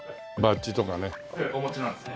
お持ちなんですね。